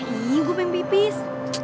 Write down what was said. ih gue pengen pipis